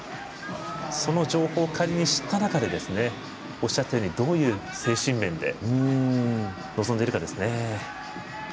その情報を、仮に知った中でおっしゃったようにどういう精神面で臨んでいるかですね。